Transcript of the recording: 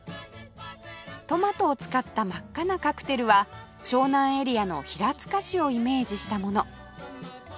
トマトを使った真っ赤なカクテルは湘南エリアの平塚市をイメージしたもの